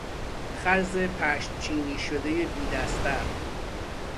خز پشمچینی شدهی بیدستر